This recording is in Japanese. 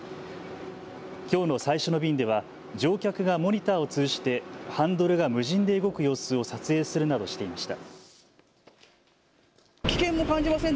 きょうの最初の便では乗客がモニターを通じてハンドルが無人で動く様子を撮影するなどしていました。